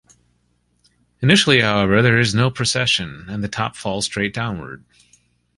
Initially, however, there is no precession, and the top falls straight downward.